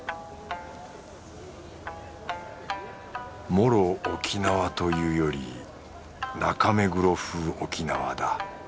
もろ沖縄というより中目黒風沖縄だ